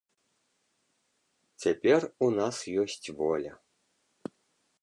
Цяпер у нас ёсць воля.